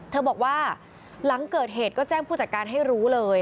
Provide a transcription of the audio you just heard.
บอกว่าหลังเกิดเหตุก็แจ้งผู้จัดการให้รู้เลย